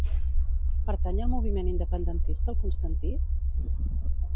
Pertany al moviment independentista el Constantí?